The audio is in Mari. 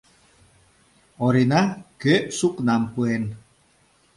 — Орина, кӧ сукнам пуэн?